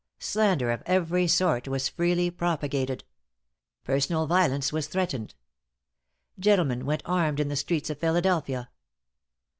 Slander of every sort was freely propagated. Personal violence was threatened. Gentlemen went armed in the streets of Philadelphia.